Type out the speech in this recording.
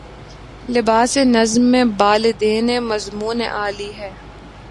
لباسِ نظم میں بالیدنِ مضمونِ عالی ہے